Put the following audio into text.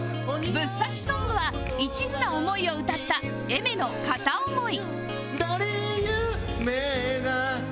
ブッ刺しソングは一途な思いを歌った Ａｉｍｅｒ の『カタオモイ』